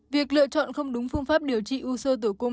việc lựa chọn không đúng phương pháp điều trị u sơ tử cung